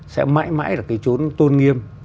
sẽ mãi mãi là cái chốn tôn nghiêm